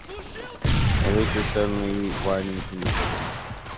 Elytra suddenly widening from the shoulder.